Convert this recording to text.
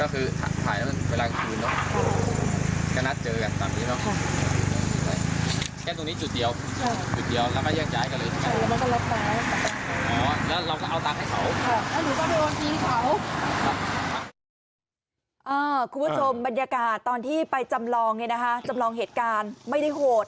คุณผู้ชมบรรยากาศตอนที่ไปจำลองเนี่ยนะคะจำลองเหตุการณ์ไม่ได้โหด